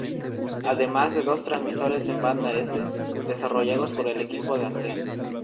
Además de dos transmisores en banda S desarrollados por el equipo de Antel.